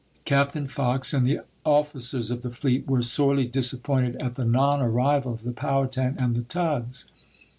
Captain Fox and the officers of the fleet were sorely disappointed at the non arrival of the Pow hatan and the tugs.